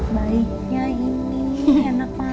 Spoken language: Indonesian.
baiknya ini anak mama